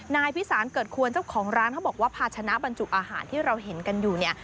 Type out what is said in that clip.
นายพิสารเกิดควรเจ้าของร้านเขาบอกว่าภาชนะบรรจุอาหารที่เราเห็นกันอยู่เนี่ย